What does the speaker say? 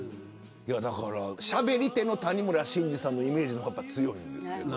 だから、しゃべり手の谷村新司さんのイメージの方が強いです。